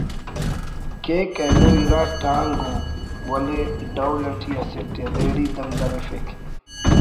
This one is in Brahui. کیک ایلو اِرا ٹانگ ءُ ولے ڈول اٹی اسٹ ءِ ریڑی دم دریفک